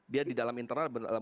dia di dalam internal